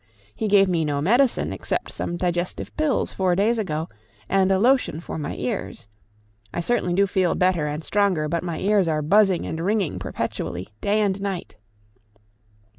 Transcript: He gave me no medicine, except some digestive pills four days ago, and a lotion for my ears. I certainly do feel better and stronger, but my ears are buzzing and ringing perpetually, day and night.